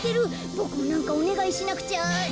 ボクもなんかおねがいしなくちゃ。